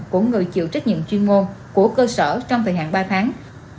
của người chịu trách nhiệm chuyên môn của cơ sở trong thời hạn ba tháng